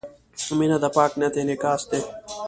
• مینه د پاک نیت انعکاس دی.